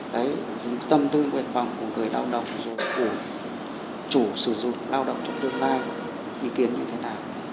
đấy tâm tư nguyện vọng của người lao động rồi của chủ sử dụng lao động trong tương lai ý kiến như thế nào